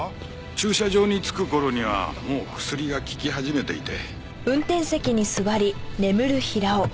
駐車場に着く頃にはもう薬が効き始めていて。